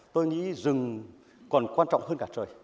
tôi nghĩ rừng còn quan trọng hơn cả trời